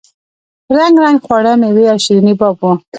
رنګ رنګ خواړه میوې او شیریني باب وو.